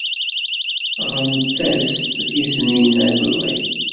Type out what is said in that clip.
Ɣrant-as i Taninna iḍelli.